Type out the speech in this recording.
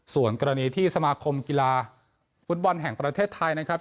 ส่วนกรณีที่สมาคมกีฬาฟุตบอลแห่งประเทศไทยนะครับ